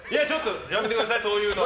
やめてください、そういうの。